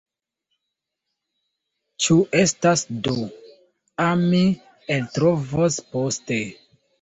Ĉu estas du? A, mi eltrovos poste.